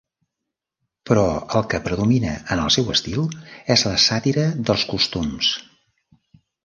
Però el que predomina en el seu estil és la sàtira dels costums.